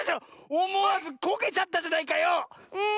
おもわずこけちゃったじゃないかよ！